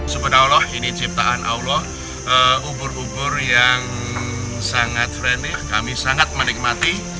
subhanallah ini ciptaan allah ubur ubur yang sangat friendly kami sangat menikmati